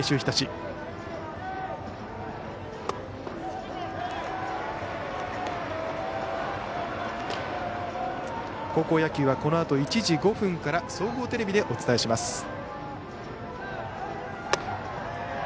高校野球はこのあと１時５分から総合テレビでお伝えします。